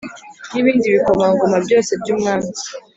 N ibindi bikomangoma byose by umwami